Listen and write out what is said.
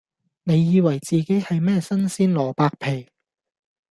你以為自己係咩新鮮蘿蔔皮